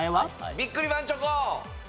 ビックリマンチョコ！